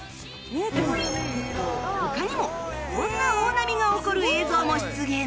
他にもこんな大波が起こる映像も出現